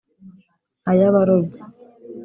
ay'abarobyi